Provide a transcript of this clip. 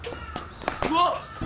うわっ！